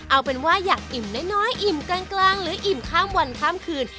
เอาเป็นว่าอยากอิ่มน้อยอิ่มกลางหรืออิ่มข้ามวันข้ามคืน